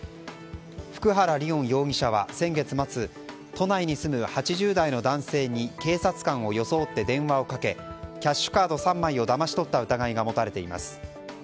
普久原吏音容疑者は先月末都内に住む８０代の男性に警察官を装って電話をかけキャッシュカード３枚をだまし取った疑いが持たれています。